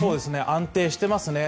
安定していますね。